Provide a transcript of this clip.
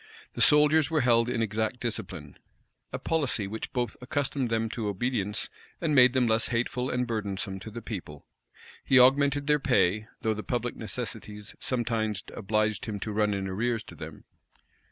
The soldiers were held in exact discipline; a policy which both accustomed them to obedience, and made them less hateful and burdensome to the people. He augmented their pay; though the public necessities sometimes obliged him to run in arrears to them.